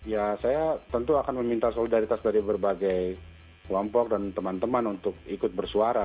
ya saya tentu akan meminta solidaritas dari berbagai kelompok dan teman teman untuk ikut bersuara